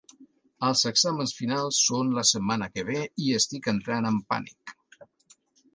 Els exàmens finals són la setmana que ve i estic entrant en pànic.